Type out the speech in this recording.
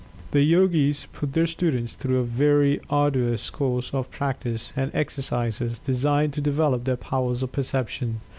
The Yogis put their students through a very arduous course of practice and exercises designed to develop their powers of perception.